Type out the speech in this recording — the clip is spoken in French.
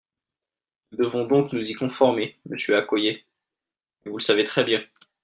Nous devons donc nous y conformer, monsieur Accoyer, et vous le savez très bien.